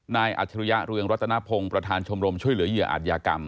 อัจฉริยะเรืองรัตนพงศ์ประธานชมรมช่วยเหลือเหยื่ออาจยากรรม